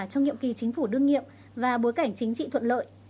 trong nhiệm kỳ chính phủ đương nghiệp và bối cảnh chính trị thuận lợi